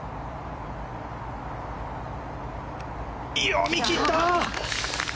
読み切った！